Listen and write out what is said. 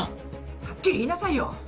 はっきり言いなさいよ。